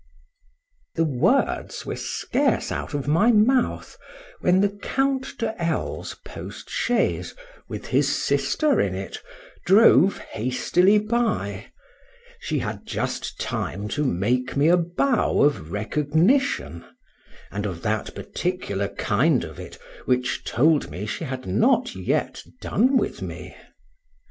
THE words were scarce out of my mouth when the Count de L—'s post chaise, with his sister in it, drove hastily by: she had just time to make me a bow of recognition,—and of that particular kind of it, which told me she had not yet done with me.